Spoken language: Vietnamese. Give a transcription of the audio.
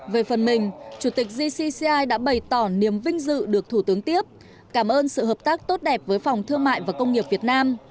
về phần mình chủ tịch gcci đã bày tỏ niềm vinh dự được thủ tướng tiếp cảm ơn sự hợp tác tốt đẹp với phòng thương mại và công nghiệp việt nam